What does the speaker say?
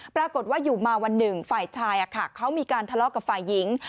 ปรากฏว่าอยู่มาวันหนึ่งฝ่ายชายเขามีการทะเลาะกับฝ่ายหญิง